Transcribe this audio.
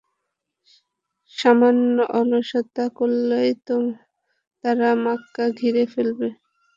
সামান্য অলসতা করলেই তারা মক্কা ঘিরে ফেলবে।